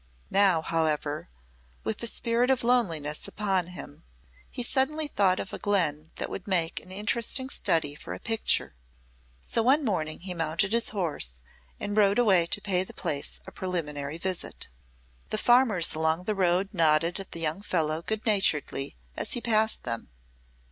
Now, however, with the spirit of loneliness upon him, he suddenly thought of a glen that would make an interesting study for a picture; so one morning he mounted his horse and rode away to pay the place a preliminary visit. The farmers along the road nodded at the young fellow good naturedly as he passed them.